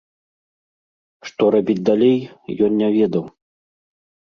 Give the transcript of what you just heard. Што рабіць далей, ён не ведаў.